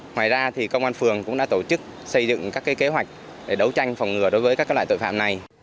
ngoài ra thì công an phường cũng đã tổ chức xây dựng các kế hoạch để đấu tranh phòng ngừa đối với các loại tội phạm này